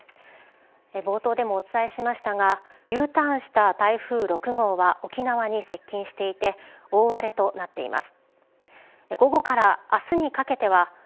冒頭でもお伝えしましたがＵターンした台風６号は沖縄に接近していて大荒れとなっています。